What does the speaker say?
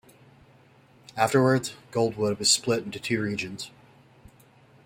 Afterwards, Goldwood was split into two regions.